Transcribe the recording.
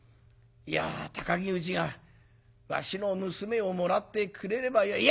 いや高木氏がわしの娘をもらってくれればよい」。